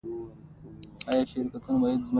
ابن بطوطه هم د برني نوم نه یادوي.